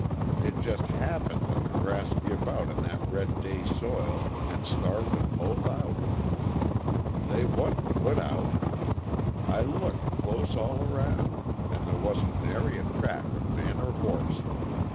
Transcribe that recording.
It jest happened that the grass give out in that red day soil, and starved 'em both out. They wa'n't put out. I looked close all around, and there wasn't nary a track of man or horse.